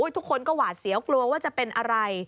ทุกคนก็หวาดเสียวกลัวว่าจะเป็นอะไร